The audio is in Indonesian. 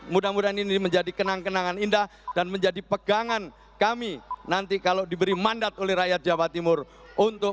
mudah mudahan ini menjadi kenang kenangan indah dan menjadi pegangan kami nanti kalau diberi mandat oleh rakyat jawa timur untuk